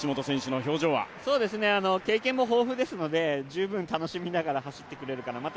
経験も豊富ですので、十分楽しみながら走ってくれるかなと。